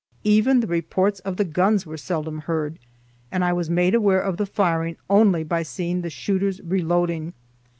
Even the reports of the guns were seldom heard, and I was made aware of the firing only by seeing the shooters reloading.